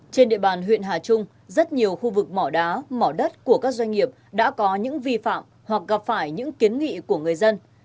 trên địa bàn huyện hà trung rất nhiều khu vực mỏ đá mỏ đất của các doanh nghiệp đã có những vi phạm hoặc gặp phải những kiến nghị của người dân